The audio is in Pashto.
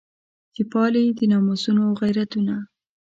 چې پالي د ناموسونو غیرتونه.